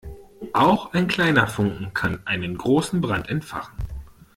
Auch ein kleiner Funken kann einen großen Brand entfachen.